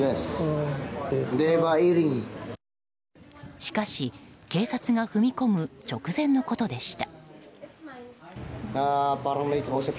しかし、警察が踏み込む直前のことでした。